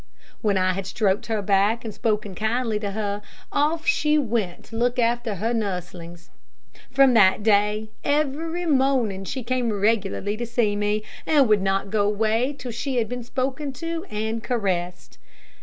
When I had stroked her back and spoken kindly to her, off she went to look after her nurslings. From that day, every morning she came regularly to see me, and would not go away till she had been spoken to and caressed.